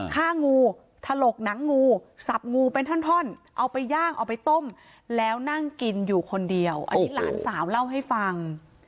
ฆ่างูถลกหนังงูสับงูเป็นท่อนเอาไปย่างเอาไปต้มแล้วนั่งกินอยู่คนเดียวอันนี้หลานสาวเล่าให้ฟัง